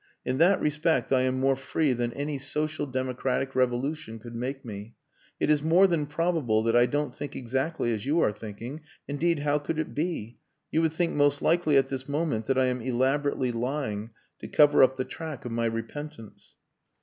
In that respect I am more free than any social democratic revolution could make me. It is more than probable that I don't think exactly as you are thinking. Indeed, how could it be? You would think most likely at this moment that I am elaborately lying to cover up the track of my repentance."